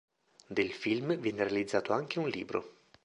Del film viene realizzato anche un libro.